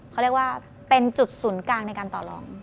เขาเรียกว่าเป็นจุดศูนย์กลางในการต่อลอง